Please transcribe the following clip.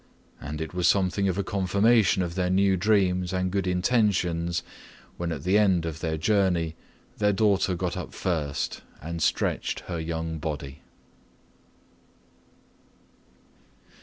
And it was something of a confirmation of their new dreams and good intentions when at the end of their journey their daughter got up first and stretched her young body.